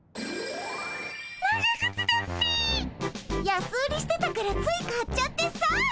安売りしてたからつい買っちゃってさ。